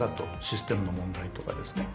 システムの問題とかですね。